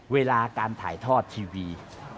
เวลาการถ่ายทอดทีวี